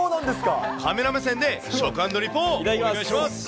カメラ目線で食＆リポ、お願いします。